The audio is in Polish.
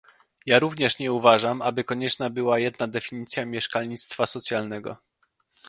Ja również nie uważam, aby konieczna była jedna definicja mieszkalnictwa socjalnego